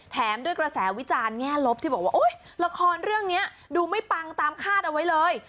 ด้วยกระแสวิจารณ์แง่ลบที่บอกว่าละครเรื่องนี้ดูไม่ปังตามคาดเอาไว้เลย